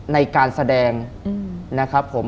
ในการแสดงนะครับผม